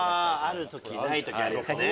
ある時ない時あるやつね。